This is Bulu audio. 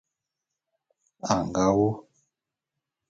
A nga wu.